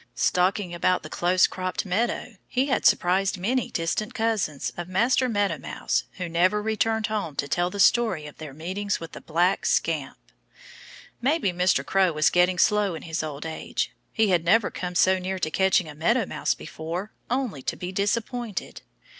Stalking about the close cropped meadow he had surprised many distant cousins of Master Meadow Mouse who never returned home to tell the story of their meetings with the black scamp. Maybe Mr. Crow was getting slow in his old age. He had never come so near to catching a Meadow Mouse before, only to be disappointed.